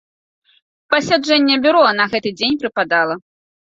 Пасяджэнне бюро на гэты дзень прыпадала.